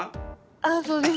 あっそうです。